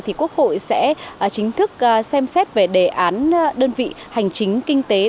thì quốc hội sẽ chính thức xem xét về đề án đơn vị hành chính kinh tế